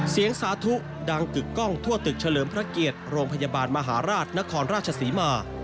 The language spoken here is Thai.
สาธุดังกึกกล้องทั่วตึกเฉลิมพระเกียรติโรงพยาบาลมหาราชนครราชศรีมา